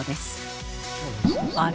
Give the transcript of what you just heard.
あれ？